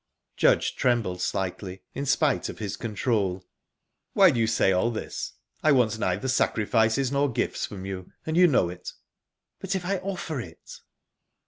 Judge trembled slightly, in spite of his control. "Why do you say all this? I want neither sacrifices nor gifts from you, and you know it." "But if I offer it?"